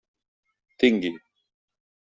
Tingui.